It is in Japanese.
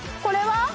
これは？